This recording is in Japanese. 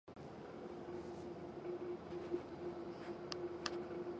一度は追いつかれたものの、なんとか勝利した